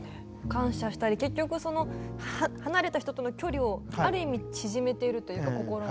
感謝したり結局離れた人との距離をある意味縮めてるというか心の距離。